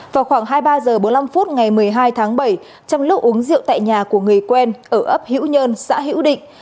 vào khoảng hai mươi ba h bốn mươi năm phút ngày một mươi hai tháng bảy trong lúc uống rượu tại nhà của người quen ở ấp hiễu nhân xã hữu định